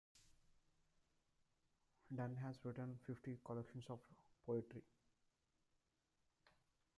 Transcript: Dunn has written fifteen collections of poetry.